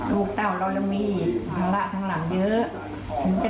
ลูกต้าวเรายังมีภูมิอีกข้างละข้างหลังเยอะ